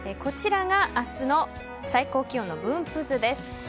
明日の最高気温の分布図です。